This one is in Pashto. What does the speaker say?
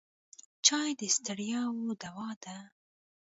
چای د ستړیاوو دوا ده.